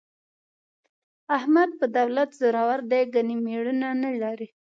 احمد په دولت زورو دی، ګني مېړونه نه لري.